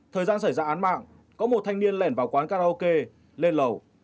thời gian xảy ra án mạng có một thanh niên lẻn vào quán karaoke lên lẩu